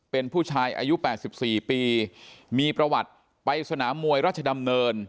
เป็นผู้ชายอายุ๘๔ปีมีประวัติไปสนามมวยราชดำเนิน